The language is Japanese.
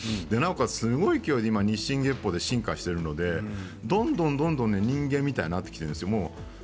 今すごい勢いで日進月歩で進化しているのでどんどんどんどん人間のようになってきているんですよね。